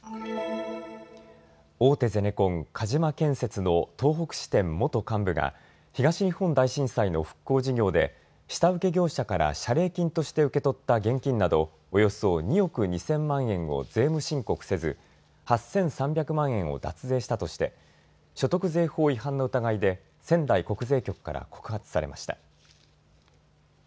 大手ゼネコン、鹿島建設の東北支店元幹部が東日本大震災の復興事業で下請け業者から謝礼金として受け取った現金などおよそ２億２０００万円を税務申告せず８３００万円を脱税したとして所得税法違反の疑いで仙台国税局から告発されました。